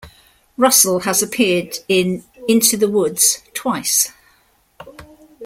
Russell has appeared in "Into the Woods" twice.